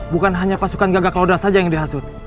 bukan hanya pasukan gagak klo dra saja yang dihasut